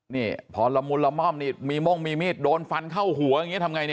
นี่พอละมุนละม่อมนี่มีม่วงมีมีดโดนฟันเข้าหัวอย่างนี้ทำไงเนี่ย